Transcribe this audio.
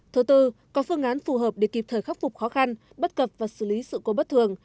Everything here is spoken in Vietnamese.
thứ tư có phương án phù hợp để kịp thời khắc phục khó khăn bất cập và xử lý sự cố bất thường